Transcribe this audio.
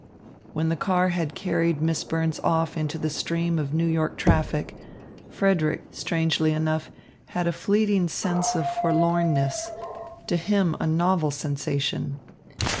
When the car had carried Miss Burns off into the stream of New York traffic, Frederick, strangely enough, had a fleeting sense of forlornness, to him a novel sensation.